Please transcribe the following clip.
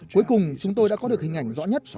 cuối cùng chúng tôi đã có được hình ảnh rõ nhất